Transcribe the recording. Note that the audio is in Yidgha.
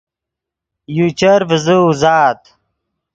یو چر ڤیزے اوزات